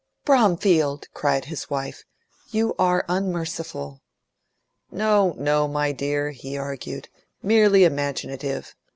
"Bromfield!" cried his wife, "you are unmerciful." "No, no, my dear," he argued; "merely imaginative.